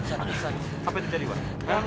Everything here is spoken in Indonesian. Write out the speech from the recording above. aslan apa itu tadi wak